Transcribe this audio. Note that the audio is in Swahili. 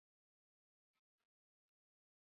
Hatujaomba mtu yeyote